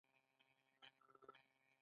برعکس جامې او خوراکي توکي مصرفوي